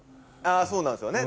そうなんですよね。